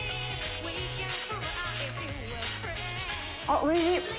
あっおいしい！